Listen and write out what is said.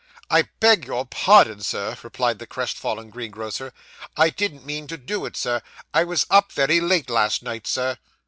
'I beg your pardon, Sir,' replied the crestfallen greengrocer, 'I didn't mean to do it, Sir; I was up very late last night, Sir.